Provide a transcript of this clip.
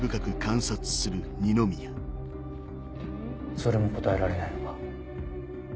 それも答えられないのか？